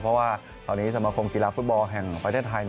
เพราะว่าตอนนี้สมคมกีฬาฟุตบอลแห่งประเทศไทย